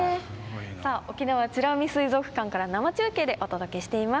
さあ沖縄美ら海水族館から生中継でお届けしています。